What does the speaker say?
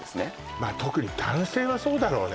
まあ特に男性はそうだろうね